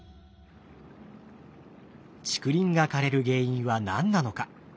竹林が枯れる原因は何なのか？